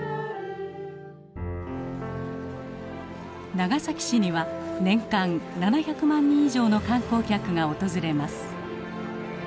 長崎市には年間７００万人以上の観光客が訪れます。